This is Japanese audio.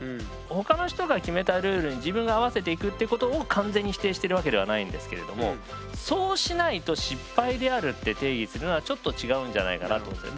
他の人が決めたルールに自分が合わせていくっていうことを完全に否定してるわけではないんですけれどもそうしないと失敗であるって定義するのはちょっと違うんじゃないかなと思って。